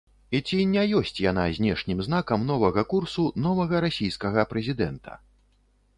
І ці не ёсць яна знешнім знакам новага курсу новага расійскага прэзідэнта?